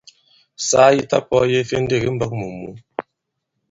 Saa yi ta-pɔ̄ɔye ifendêk i mbɔ̄k mù mǔ.